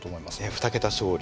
２桁勝利